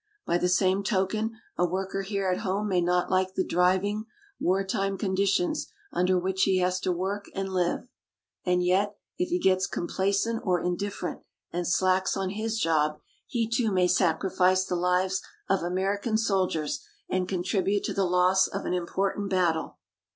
By the same token a worker here at home may not like the driving, wartime conditions under which he has to work and live. And yet if he gets complacent or indifferent and slacks on his job, he too may sacrifice the lives of American soldiers and contribute to the loss of an important battle.